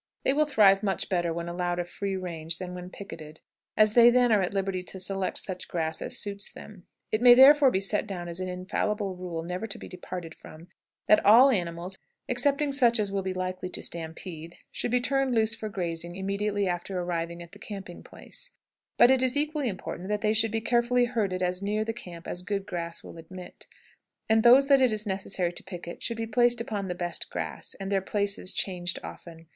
They will thrive much better when allowed a free range than when picketed, as they then are at liberty to select such grass as suits them. It may therefore be set down as an infallible rule never to be departed from, that all animals, excepting such as will be likely to stampede, should be turned loose for grazing immediately after arriving at the camping place; but it is equally important that they should be carefully herded as near the camp as good grass will admit; and those that it is necessary to picket should be placed upon the best grass, and their places changed often.